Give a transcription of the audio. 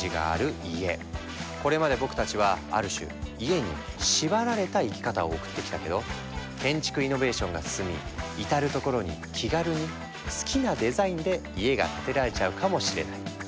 これまで僕たちはある種家に縛られた生き方を送ってきたけど建築イノベーションが進み至る所に気軽に好きなデザインで家が建てられちゃうかもしれない。